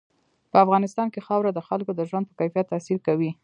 په افغانستان کې خاوره د خلکو د ژوند په کیفیت تاثیر کوي.